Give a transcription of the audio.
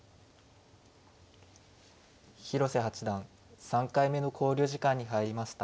広瀬八段３回目の考慮時間に入りました。